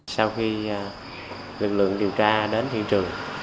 sau khi lực lượng điều tra đến hiện trường